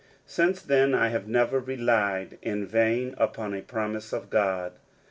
Since then I have never relied in vain upon a promise of God.